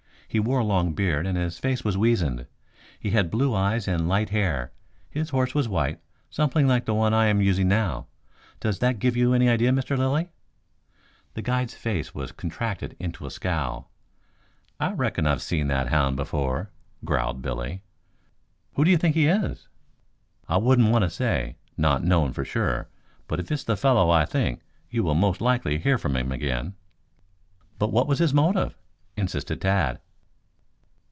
He wore a long beard and his face was weazened. He had blue eyes and light hair. His horse was white, something like the one I am using now. Does that give you any idea, Mr. Lilly?" The guide's face had contracted into a scowl. "I reckon I've seen that hound before," growled Billy. "Who do you think he is?" "I wouldn't want to say, not knowing for sure. But if it's the fellow I think, you will most likely hear from him again." "But what was his motive?" insisted Tad.